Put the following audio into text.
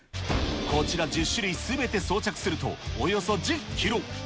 こちら１０種類すべて装着すると、およそ１０キロ。